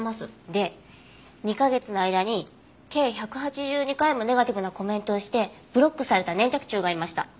で２カ月の間に計１８２回もネガティブなコメントをしてブロックされた粘着厨がいました。